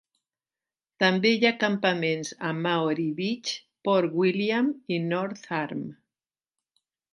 També hi ha campaments a Maori Beach, Port William i North Arm.